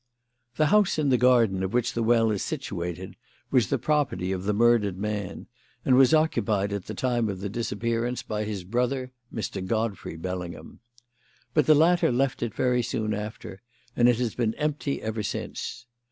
"The house in the garden of which the well is situated was the property of the murdered man, and was occupied at the time of the disappearance by his brother, Mr. Godfrey Bellingham. But the latter left it very soon after, and it has been empty ever since.